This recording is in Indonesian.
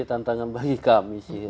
ini jadi tantangan bagi kami